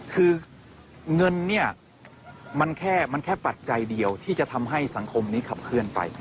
คือเงินเนี่ยมันแค่มันแค่ปัจจัยเดียวที่จะทำให้สังคมนี้ขับเคลื่อนไป